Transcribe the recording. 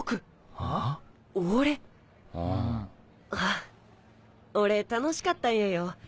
あ俺楽しかったんやよ。